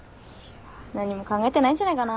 何も考えてないんじゃないかなぁ。